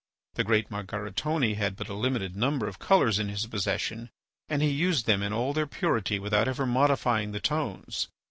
The great Margaritone had but a limited number of colours in his possession, and he used them in all their purity without ever modifying the tones.